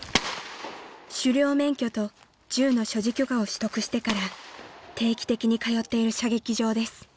［狩猟免許と銃の所持許可を取得してから定期的に通っている射撃場です］